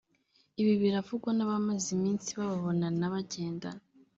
Ibi biravugwa n’abamaze iminsi bababonana bagendana